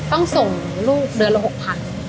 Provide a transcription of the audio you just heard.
ต้องส่งลูกเดือนละ๖๐๐บาท